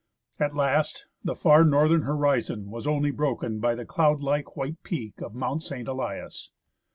At last, the far northern horizon was only broken by the cloud like white peak of Mount St. Elias.